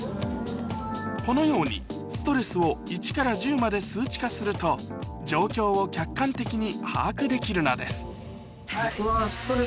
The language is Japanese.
このようにストレスを１から１０まで数値化すると状況を客観的に把握できるのです僕は。